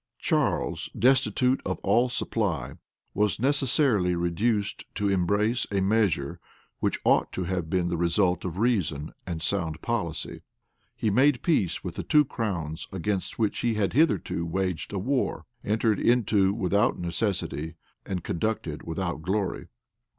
Charles, destitute of all supply, was necessarily reduced to embrace a measure which ought to have been the result of reason and sound policy: he made peace with the two crowns against which he had hitherto waged a war, entered into without necessity, and conducted without glory.